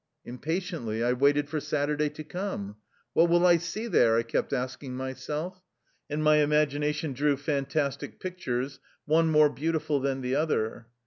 Impatiently I waited for Saturday to come. " What will I see there? " I kept asking my self, and my imagination drew fantastic pic tures, one more beautiful than the other.